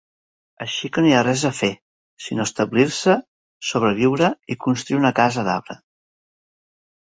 Així que no hi ha res a fer, sinó establir-se, sobreviure i construir una casa d'arbre.